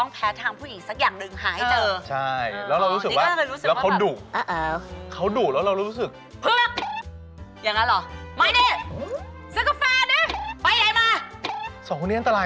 เป็นคนดีเป็นคนธรรมดา